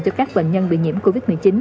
cho các bệnh nhân bị nhiễm covid một mươi chín